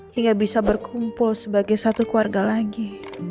hingga bisa berkumpul sebagai satu keluarga lagi